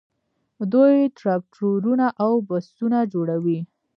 دوی ټراکټورونه او بسونه جوړوي.